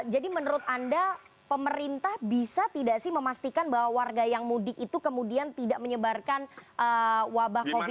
jadi menurut anda pemerintah bisa tidak sih memastikan bahwa warga yang mudik itu kemudian tidak menyebarkan wabah covid sembilan belas